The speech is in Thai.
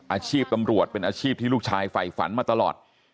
อาชีพตำรวจเป็นอาชีพที่ลูกชายฝ่ายฝันมาตลอด